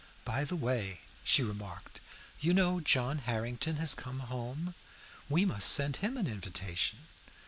"By the way," she remarked, "you know John Harrington has come home. We must send him an invitation."